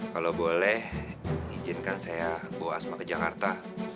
kalau boleh izinkan saya bawa asma ke jakarta